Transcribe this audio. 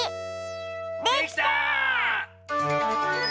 できた！